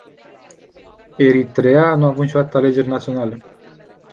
Eritreea nu a avut niciodată alegeri naționale.